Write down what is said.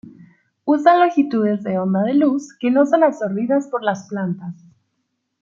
Usan longitudes de onda de luz que no son absorbidas por las plantas.